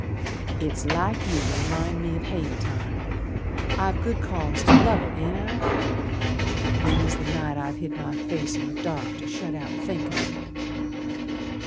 "It's like you to remind me o' hayin' time. I've good cause to love it, ain't I? Many's the night I've hid my face in the dark To shut out thinkin'!"